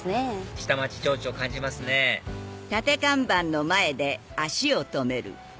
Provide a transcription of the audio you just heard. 下町情緒感じますねうん？